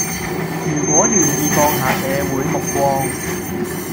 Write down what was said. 如果願意放下社會目光